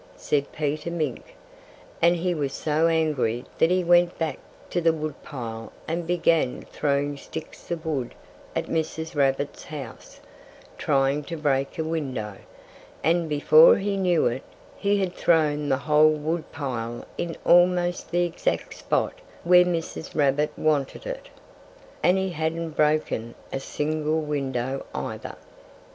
said Peter Mink. And he was so angry that he went back to the wood pile and began throwing sticks of wood at Mrs. Rabbit's house, trying to break a window. And before he knew it he had thrown the whole wood pile in almost the exact spot where Mrs. Rabbit wanted it. And he hadn't broken a single window, either.